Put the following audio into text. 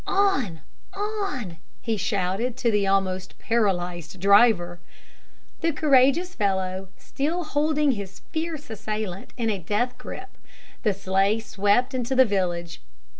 "On on!" he shouted to the almost paralysed driver. The courageous fellow still holding his fierce assailant in a death gripe, the sleigh swept into the village.